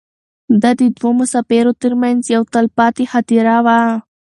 دا د دوو مسافرو تر منځ یوه تلپاتې خاطره وه.